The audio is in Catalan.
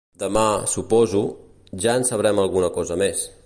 Demà, suposo, ja en sabrem alguna cosa més.